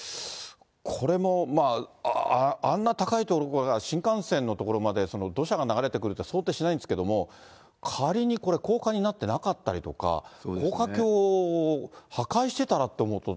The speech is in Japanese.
これも、あんな高い所から新幹線の所まで土砂が流れてくるって、想定しないんですけれども、仮にこれ、高架になってなかったりとか、高架橋を破壊してたらって思うと。